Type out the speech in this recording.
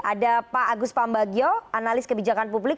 ada pak agus pambagio analis kebijakan publik